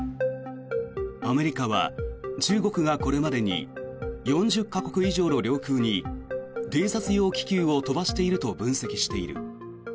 アメリカは、中国がこれまでに４０か国以上の領空に偵察用気球を飛ばしていると分析している。